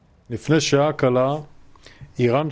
berbagai pesawat di seluruh kota israel